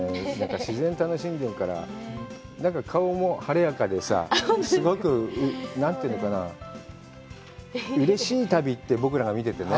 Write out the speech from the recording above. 自然を楽しんでるから、顔も晴れやかでさ、すごく、なんていうのかな、うれしい旅って、僕らが見ててね。